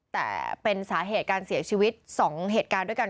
แต่เป็นสาเหตุการเสียชีวิต๒เหตุการณ์ด้วยกัน